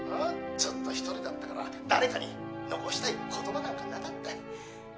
ずっと一人だったから誰かに残したい言葉なんかなかった」